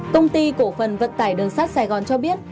công ty cổ phần vận tải đường sắt sài gòn cho biết